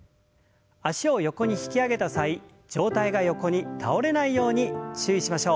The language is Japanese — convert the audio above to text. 脚を横に引き上げた際上体が横に倒れないように注意しましょう。